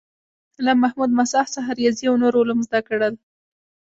له محمود مساح څخه ریاضي او نور علوم زده کړل.